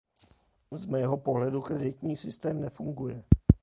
Z mého pohledu kreditní systém nefunguje.